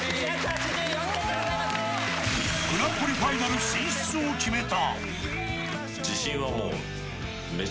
グランプリファイナル進出を決めた。